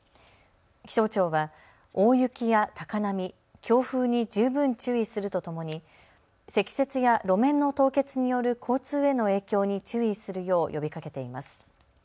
気象庁は大雪や高波、強風に十分注意するとともに積雪や路面の凍結による交通への影響に注意するよう呼びかけています。